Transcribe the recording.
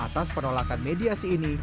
atas penolakan mediasi ini